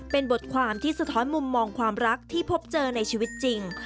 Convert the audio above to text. เป็นบทความที่สะท้อนมุมมองความรักที่พบเจอในชีวิตจริง